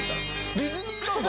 ディズニーランド？